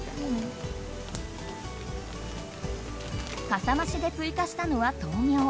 かさ増しで追加したのは豆苗。